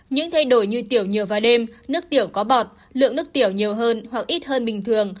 những thay đổi như tiểu nhiều và đêm nước tiểu có bọt lượng nước tiểu nhiều hơn hoặc ít hơn bình thường